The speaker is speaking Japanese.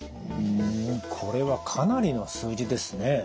これはかなりの数字ですね。